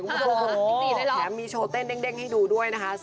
คุณผู้ชมแถมมีโชว์เต้นเด้งให้ดูด้วยนะคะ